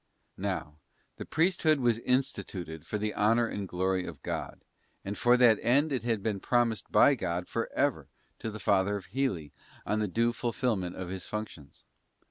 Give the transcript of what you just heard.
§ Now the priesthood was instituted for the honour and glory of God, and for that end it had been promised by God for ever to the father of Heli on the due fulfilment of his functions.